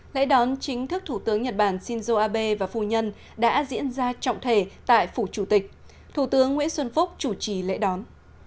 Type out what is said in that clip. lễ đón chính thức thủ tướng nhật bản shinzo abe và phu nhân đã diễn ra trọng thể tại phủ chủ tịch thủ tướng nguyễn xuân phúc chủ trì lễ đón